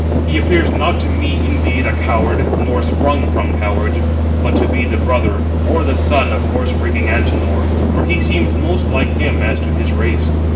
He appears not to me indeed a coward, nor [sprung] from cowards, but [to be] the brother or the son of horse breaking Antenor, for he seems most like him as to his race."